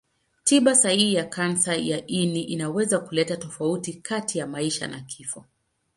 Tiba sahihi ya kansa ya ini inaweza kuleta tofauti kati ya maisha na kifo.